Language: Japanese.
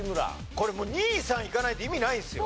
これもう２３いかないと意味ないんですよ。